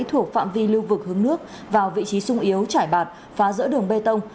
thuộc phạm vi lưu vực hướng nước vào vị trí sung yếu chải bạt phá giữa đường bê tông